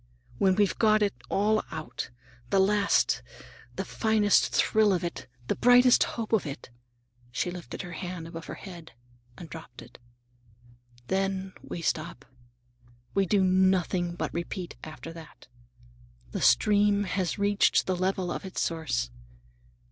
When we've got it all out,—the last, the finest thrill of it, the brightest hope of it,"—she lifted her hand above her head and dropped it,—"then we stop. We do nothing but repeat after that. The stream has reached the level of its source.